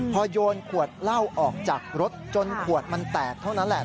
พอโยนขวดเหล้าออกจากรถจนขวดมันแตกเท่านั้นแหละ